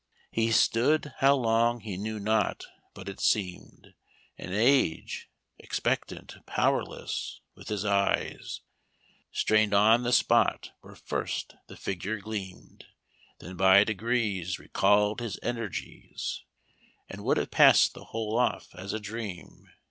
"He stood, how long he knew not, but it seem'd An age expectant, powerless, with his eyes Strain'd on the spot where first the figure gleam'd: Then by degrees recall'd his energies, And would have pass'd the whole off as a dream.